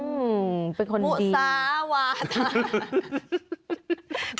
อื้อเป็นคนจริง